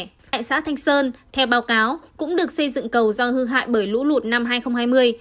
tại xã thanh sơn theo báo cáo cũng được xây dựng cầu do hư hại bởi lũ lụt năm hai nghìn hai mươi